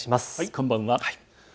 こんばんは。